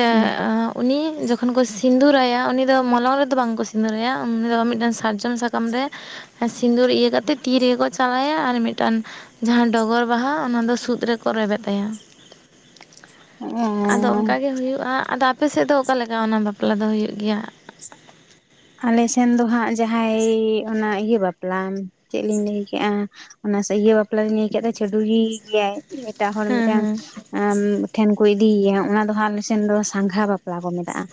[unintelligible] ᱩᱱᱤ ᱡᱚᱠᱷᱚᱱ ᱠᱚ ᱥᱤᱸᱫᱩᱨᱟᱭᱟ ᱩᱱᱤ ᱫᱚ ᱢᱚᱞᱚᱝ ᱨᱮᱫᱚ ᱵᱟᱝᱠᱚ ᱥᱤᱸᱫᱩᱨᱟᱭᱟ ᱩᱱᱤ ᱫᱚ ᱢᱤᱫᱴᱮᱱ ᱥᱟᱨᱡᱚᱢ ᱥᱟᱠᱼᱼ ᱠᱟᱢᱨᱮ ᱥᱤᱸᱫᱩᱨ ᱤᱭᱟᱹ ᱠᱟᱛᱮᱫᱼᱼ ᱛᱤ ᱨᱮᱜᱮ ᱠᱚ ᱪᱟᱞᱟᱭᱟ ᱟᱨ ᱢᱤᱫᱴᱟᱱ ᱡᱟᱦᱟᱸ ᱰᱚᱜᱚᱨ ᱵᱟᱦᱟ ᱚᱱᱟ ᱫᱚ ᱥᱩᱫ ᱨᱮᱠᱚ ᱨᱮᱵᱮᱫ ᱟᱭᱟ ᱾ ᱦᱚᱸ ᱦᱚᱸ ᱦᱚ ᱸ ᱚᱱᱠᱟ ᱾ ᱦᱩᱭᱩᱜᱼᱟ ᱾ ᱟᱫᱚ ᱟᱯᱮ ᱥᱮᱫ ᱫᱚ ᱚᱠᱟ ᱞᱮᱠᱟ ᱚᱱᱟ ᱵᱟᱯᱞᱟ ᱫᱚ ᱦᱩᱭᱩᱜ ᱜᱮᱭᱟ? ᱟᱞᱮ ᱥᱮᱱ ᱫᱚ ᱦᱟᱸᱜ ᱡᱟᱦᱟᱸᱭ ᱚᱱᱟ ᱤᱭᱟᱹ ᱵᱟᱯᱞᱟ᱾ ᱪᱮᱫ ᱞᱤᱧ ᱞᱟᱹᱭᱠᱮᱜᱼᱟ? ᱚᱱᱟ ᱥᱮ ᱤᱭᱟᱹ ᱵᱟᱯᱞᱟ ᱞᱤᱧ ᱞᱟᱹᱭ ᱠᱮᱫ ᱫᱚ ᱪᱷᱟᱹᱰᱣᱤ ᱜᱮᱭᱟᱭ, ᱮᱴᱟᱜ ᱦᱚᱲ ᱦᱮᱸ ᱢᱤᱫᱴᱟᱝ-ᱼ ᱦᱮᱸ ᱥᱢ ᱴᱷᱮᱱ ᱠᱚ ᱤᱫᱤᱭᱟ ᱚᱱᱟ ᱫᱚ ᱦᱟᱸᱜ ᱟᱞᱮ ᱥᱮᱱ ᱫᱚ ᱥᱟᱸᱝᱜᱷᱟ ᱵᱟᱯᱞᱟ ᱠᱚ ᱢᱮᱛᱟᱜᱼᱟ᱾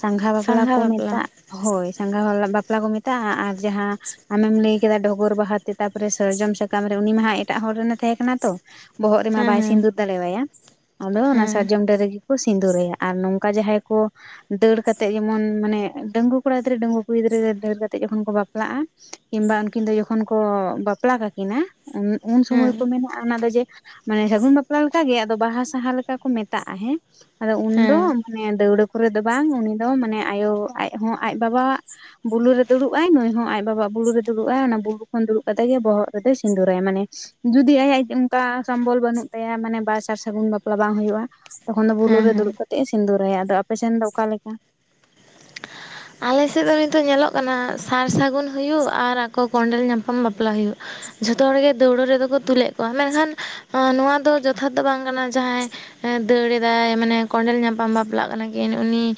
ᱥᱟᱸᱝᱜᱷᱟ ᱵᱟᱯᱞᱟ ᱠᱚ ᱢᱮᱛᱟᱜ ᱦᱳᱭ ᱥᱟᱸᱜᱷᱟᱣᱟᱞᱟ ᱵᱷᱟᱯᱞᱟ ᱵᱟᱯᱞᱟ ᱠᱚ ᱢᱮᱛᱟᱜᱼᱟ ᱟᱨ ᱡᱟᱦᱟᱸ ᱟᱢᱮᱢ ᱞᱟᱹᱭ ᱠᱮᱫᱟ ᱰᱚᱜᱚᱨ ᱵᱟᱦᱟ ᱛᱟᱯᱚᱨᱮ ᱥᱟᱨᱡᱚᱢ ᱥᱟᱠᱟᱢ ᱨᱮ ᱩᱱᱤ ᱢᱟ ᱦᱟᱸᱜ ᱮᱴᱟᱜ ᱦᱚᱲ ᱨᱮᱱ ᱛᱟᱦᱮᱸ ᱠᱟᱱᱟ ᱛᱚ ᱵᱚᱦᱚᱜ ᱨᱮᱢᱟ ᱵᱟᱭ ᱦᱮᱸ ᱥᱤᱸᱫᱩᱨ ᱫᱟᱲᱮᱣᱟᱭᱟ ᱟᱫᱚ ᱦᱮᱸ ᱚᱱᱟ ᱦᱮᱸ ᱥᱟᱨᱡᱚᱢ ᱰᱟᱹᱨ ᱨᱮᱜᱮᱠᱚ ᱥᱤᱸᱫᱩᱨᱭᱟ ᱟᱨ ᱱᱚᱝᱠᱟ ᱡᱟᱦᱟᱸᱭ ᱠᱚ ᱫᱟᱹᱲ ᱠᱟᱛᱮᱜ ᱡᱮᱢᱚᱱ ᱢᱟᱱᱮ ᱰᱟᱹᱜᱩᱣᱟᱹ ᱠᱚᱲᱟ ᱜᱤᱫᱽᱨᱟᱹ ᱰᱟᱹᱜᱩᱣᱟᱹ ᱠᱩᱲᱤ ᱜᱤᱫᱽᱨᱟᱹ ᱫᱟᱹᱲ ᱠᱟᱛᱮᱜ ᱡᱚᱠᱷᱚᱱ ᱠᱚ ᱵᱟᱯᱞᱟᱜᱼᱟ ᱠᱤᱢᱵᱟ ᱩᱱᱠᱤᱱ ᱫᱚ ᱡᱚᱠᱷᱚᱱ ᱠᱚ ᱵᱟᱯᱞᱟ ᱠᱟᱠᱤᱱᱟ ᱩᱱ ᱩᱱ ᱥᱩᱢᱚᱭ ᱠᱚ ᱦᱮᱸ ᱢᱮᱱᱟᱜᱼᱟ ᱚᱱᱟ ᱫᱚ ᱡᱮ ᱢᱟᱱᱮ ᱥᱟᱹᱜᱩᱱ ᱵᱟᱯᱞᱟ ᱞᱮᱠᱟ ᱜᱮ ᱟᱫᱚ ᱵᱟᱦᱟ ᱥᱟᱦᱟ ᱞᱮᱠᱟ ᱠᱚ ᱢᱮᱛᱟᱜᱼᱟ ᱦᱮᱸ᱾ ᱟᱫᱚ ᱩᱱᱫᱚ ᱦᱮᱸ ᱢᱟᱱᱮ ᱫᱟᱹᱣᱲᱟᱹ ᱠᱚᱨᱮ ᱫᱚ ᱵᱟᱝ ᱩᱱᱤ ᱫᱚ ᱢᱟᱱᱮ ᱟᱭᱳ ᱟᱡ ᱦᱚᱸ ᱟᱡ ᱵᱟᱵᱟᱣᱟᱜ ᱵᱩᱞᱩᱨᱮ ᱫᱩᱲᱩᱵ-ᱟᱭ ᱱᱩᱭ ᱦᱚᱸ ᱟᱡ ᱵᱟᱵᱟᱣᱟᱜ ᱵᱩᱞᱩᱨᱮ ᱫᱩᱲᱩᱵ-ᱟᱭ, ᱚᱱᱟ ᱵᱩᱞᱩ ᱠᱷᱚᱱ ᱫᱩᱲᱩᱵ ᱠᱟᱛᱮ ᱜᱮ ᱵᱚᱦᱚᱜ ᱨᱮᱫᱚᱭ ᱥᱤᱸᱫᱩᱨᱟᱭᱟ ᱢᱟᱱᱮ ᱡᱩᱫᱤ ᱟᱭᱟᱜ ᱚᱱᱠᱟ ᱥᱚᱢᱵᱚᱞ ᱵᱟᱹᱱᱩᱜ ᱛᱟᱭᱟ ᱢᱟᱱᱮ ᱵᱟᱨ ᱥᱟᱨ ᱥᱟᱹᱜᱩᱱ ᱵᱟᱯᱞᱟ ᱵᱟᱝ ᱦᱩᱭᱩᱜᱼᱟ᱾ ᱛᱚᱠᱷᱚᱱ ᱫᱚ ᱦᱮᱸ ᱵᱩᱞᱩᱨᱮ ᱦᱮᱸ ᱫᱩᱲᱩᱵ ᱠᱟᱛᱮᱫ-ᱮ ᱥᱤᱸᱫᱩᱨᱟᱭᱟ, ᱟᱫᱚ ᱟᱯᱮ ᱥᱮᱱ ᱫᱚ ᱚᱠᱟ ᱞᱮᱠᱟ? ᱟᱞᱮ ᱥᱮᱫ ᱫᱚ ᱱᱤᱛᱚᱜ ᱧᱮᱞᱚᱜ ᱠᱟᱱᱟ ᱥᱟᱨ ᱥᱟᱹᱜᱩᱱ ᱦᱩᱭᱩᱜ ᱟᱨ ᱟᱠᱚ ᱠᱚᱸᱰᱮᱞ ᱧᱟᱯᱟᱢ ᱵᱟᱯᱞᱟ ᱦᱩᱭᱩᱜ ᱡᱷᱚᱛᱚ ᱦᱚᱲᱜᱮ ᱫᱟᱹᱣᱲᱟᱹ ᱨᱮᱫᱚ ᱠᱚ ᱛᱩᱞᱮᱫ ᱠᱚᱣᱟ ᱢᱮᱱᱠᱷᱟᱱ ᱱᱚᱣᱟ ᱫᱚ ᱡᱚᱛᱷᱟᱛ ᱫᱚ ᱵᱟᱝ ᱠᱟᱱᱟ ᱡᱟᱦᱟᱸᱭ ᱮ ᱫᱟᱹᱲ ᱮᱫᱟᱭ ᱢᱟᱱᱮ ᱠᱚᱸᱰᱮᱞ ᱧᱟᱯᱟᱢ ᱵᱟᱯᱞᱟᱜ ᱠᱟᱱᱟ ᱠᱤᱱ ᱩᱱᱤ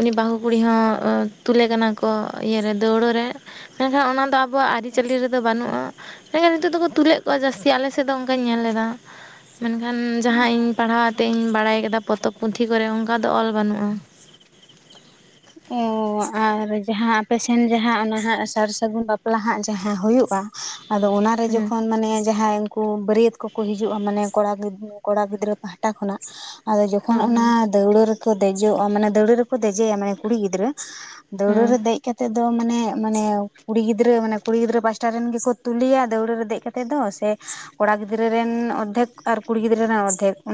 ᱩᱱᱤ ᱵᱟᱦᱩ ᱠᱩᱲᱤ ᱦᱚᱸ ᱛᱩᱞᱮ ᱠᱟᱱᱟ ᱠᱚ ᱤᱭᱟᱹ ᱨᱮ ᱫᱟᱹᱣᱲᱟᱹ ᱨᱮ᱾ ᱢᱮᱱᱠᱷᱟᱱ ᱚᱱᱟ ᱫᱚ ᱟᱵᱚᱣᱟᱜ ᱟᱨᱤᱪᱟᱞᱤ ᱨᱮᱫᱚ ᱵᱟᱱᱩᱜᱼᱟ᱾ ᱢᱮᱱᱠᱷᱟᱱ ᱱᱤᱛᱚᱜ ᱫᱚᱠᱚ ᱛᱩᱞᱮᱫ ᱠᱚᱣᱟ ᱡᱟᱹᱥᱛᱤ᱾ ᱟᱞᱮ ᱥᱮᱫ ᱫᱚ ᱚᱱᱠᱟᱧ ᱧᱮᱞ ᱞᱮᱫᱟ᱾ ᱢᱮᱱᱠᱷᱟᱱ ᱡᱟᱦᱟᱸ ᱤᱧ ᱯᱟᱲᱦᱟᱣᱟᱛᱮᱫ ᱤᱧ ᱵᱟᱲᱟᱭ ᱠᱟᱫᱟ, ᱯᱚᱛᱚᱵ ᱯᱩᱛᱷᱤ ᱠᱚᱨᱮ ᱚᱱᱠᱟ ᱫᱚ ᱚᱞ ᱵᱟᱱᱩᱜᱼᱟ᱾ ᱚ ᱟᱨ ᱡᱟᱦᱟᱸ ᱟᱯᱮ ᱥᱮᱱ ᱡᱟᱦᱟᱸ ᱚᱱᱟᱦᱟᱸᱜ ᱥᱟᱨ ᱥᱟᱹᱜᱩᱱ ᱵᱟᱯᱞᱟ ᱦᱟᱸᱜ ᱡᱟᱦᱟᱸ ᱦᱩᱭᱩᱜᱼᱟ ᱟᱫᱚ ᱚᱱᱟ ᱨᱮ ᱦᱮᱸ ᱡᱚᱠᱷᱚᱱ ᱢᱟᱱᱮ ᱡᱟᱦᱟᱸᱭ ᱠᱚ ᱵᱟᱹᱨᱭᱟᱹᱛ ᱠᱚᱠᱚ ᱦᱤᱡᱩᱜᱼᱟ ᱢᱟᱱᱮ ᱠᱚᱲᱟ ᱜᱤᱫᱽᱨᱟᱹ ᱠᱚᱲᱟ ᱜᱤᱫᱽᱨᱟᱹ ᱯᱟᱦᱴᱟ ᱠᱷᱚᱱᱟᱜ᱾ ᱟᱫᱚ ᱡᱚᱠᱷᱚᱱ ᱦᱳᱭ ᱚᱱᱟ ᱦᱳᱭ ᱫᱟᱹᱣᱲᱟᱹ ᱨᱮᱠᱚ ᱫᱮᱡᱚᱜᱼᱟ ᱢᱟᱱᱮ ᱫᱟᱹᱣᱲᱟᱹ ᱨᱮᱠᱚ ᱫᱮᱡᱭᱟ ᱢᱟᱱᱮ ᱠᱩᱲᱤ ᱜᱤᱫᱽᱨᱟᱹ᱾ ᱫᱟᱹᱣᱲᱟᱹ ᱦᱮᱸ ᱨᱮ ᱫᱮᱡ ᱠᱟᱛᱮᱫ ᱫᱚ ᱢᱟᱱᱮ ᱢᱟᱱᱮ ᱠᱩᱲᱤ ᱜᱤᱫᱽᱨᱟᱹ ᱢᱟᱱᱮ ᱠᱩᱲᱤ ᱜᱤᱫᱽᱨᱟᱹ ᱯᱟᱥᱴᱟ ᱨᱮᱱ ᱜᱮᱠᱚ ᱛᱩᱞᱮᱭᱟ ᱫᱟᱹᱣᱲᱟᱹ ᱨᱮ ᱫᱮᱡ ᱠᱟᱛᱮᱫ ᱫᱚ ᱥᱮ ᱠᱚᱲᱟ ᱜᱤᱫᱽᱨᱟᱹ ᱨᱮᱱ ᱚᱨᱫᱷᱮᱠ ᱟᱨ ᱠᱩᱲᱤ ᱜᱤᱫᱽᱨᱟᱹ ᱨᱮᱱ ᱚᱨᱫᱷᱮᱠ᱾